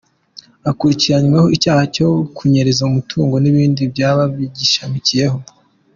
Akurikiranyweho icyaha cyo kunyereza umutungo n’ ibindi byaha bigishamikiyeho".